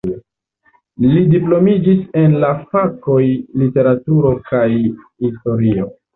Li diplomiĝis en la fakoj literaturo kaj historio.